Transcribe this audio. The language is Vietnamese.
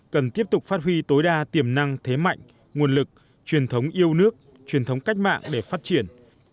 cần tiếp tục phát huy tối đa tiềm năng thế mạnh nguồn lực truyền thống yêu nước truyền thống cách mạng để phát triển